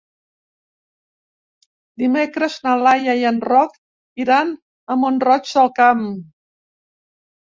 Dimecres na Laia i en Roc iran a Mont-roig del Camp.